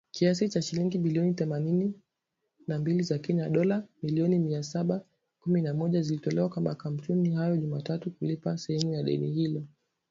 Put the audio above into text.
Kiasi cha shilingi bilioni themanini na mbili za Kenya (dola milioni mia saba kumi na moja) zilitolewa kwa makampuni hayo Jumatatu kulipa sehemu ya deni hilo